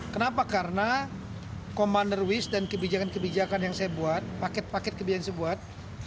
kenapa karena commander wis dan kebijakan kebijakan yang saya buat paket paket kebijakan saya buat